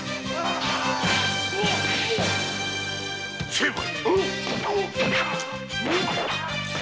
成敗！